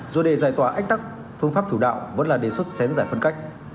do đề giải tỏa ách tắc phương pháp chủ đạo vẫn là đề xuất xén giải phân cách